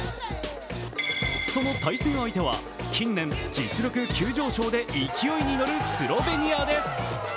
その対戦相手は近年、実力急上昇で勢いに乗るスロベニアです。